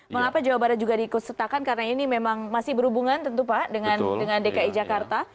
mengapa jawa barat juga diikut sertakan karena ini memang masih berhubungan tentu pak dengan dki jakarta